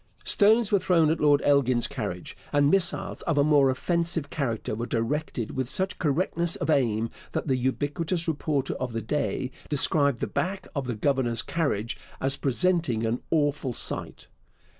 Stones were thrown at Lord Elgin's carriage; and missiles of a more offensive character were directed with such correctness of aim that the ubiquitous reporter of the day described the back of the governor's carriage as 'presenting an awful sight.'